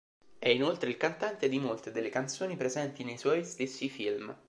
È inoltre il cantante di molte delle canzoni presenti nei suoi stessi film.